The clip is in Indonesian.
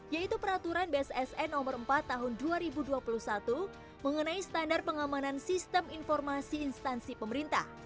yaitu peraturan bssn nomor empat tahun dua ribu dua puluh satu mengenai standar pengamanan sistem informasi instansi pemerintah